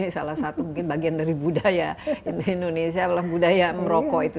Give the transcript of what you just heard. salah satu mungkin bagian dari budaya indonesia adalah budaya merokok itu